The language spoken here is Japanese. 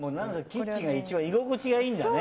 キッチンが一番居心地がいいんだね。